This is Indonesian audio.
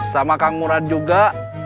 sama kang murad juga